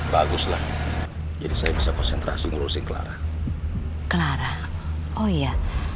baguslah jadi saya bisa konsentrasi ngurusin clara clara oh iya